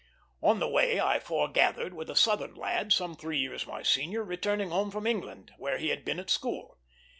On the way I foregathered with a Southern lad, some three years my senior, returning home from England, where he had been at school.